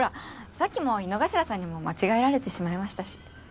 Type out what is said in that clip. さっきも井之頭さんにも間違えられてしまいましたし。